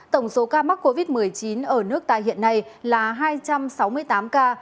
tổng số ca mắc covid một mươi chín ở nước ta hiện nay là hai trăm sáu mươi tám ca